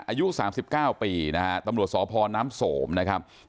อายุ๓๙ปีนะฮะตำรวจสพน้ำสมนะครับ